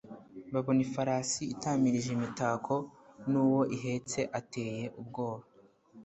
babona ifarasi itamirije imitako, n'uwo ihetse ateye ubwoba